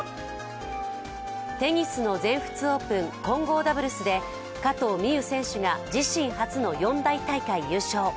テニスの全仏オープン混合ダブルスで加藤未唯選手が自身初の四大大会優勝。